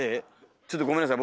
ちょっとごめんなさい